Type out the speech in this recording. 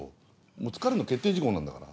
もうつかるの決定事項なんだから。